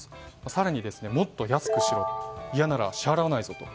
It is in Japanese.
更にもっと安くしろ嫌なら支払わないぞと。